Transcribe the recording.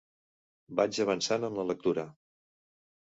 Vaig avançant en la lectura.